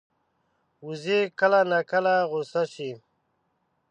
وزې کله ناکله غوسه شي